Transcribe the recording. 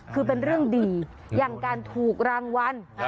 คือเป็นเรื่องดีอย่างการถูกรางวัล